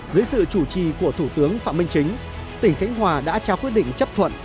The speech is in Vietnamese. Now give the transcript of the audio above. dưới sự chủ trì của thủ tướng phạm minh chính tỉnh khánh hòa đã trao quyết định chấp thuận